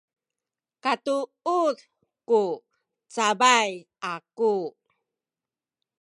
katuud ku cabay aku